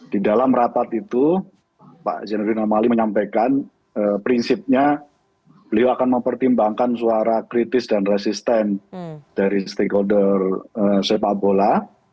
di dalam rapat itu pak zainuddin amali menyampaikan prinsipnya beliau akan mempertimbangkan suara kritis dan resisten dari stakeholder sepak bola